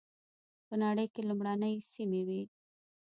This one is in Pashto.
په نړۍ کې لومړنۍ سیمې وې.